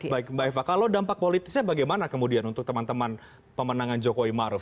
baik mbak eva kalau dampak politisnya bagaimana kemudian untuk teman teman pemenangan jokowi ⁇ maruf ⁇